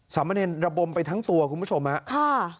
มะเนรระบมไปทั้งตัวคุณผู้ชมฮะค่ะ